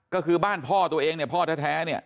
ก็คือบ้านพ่อตัวเองเนี่ยพ่อแท้เนี่ย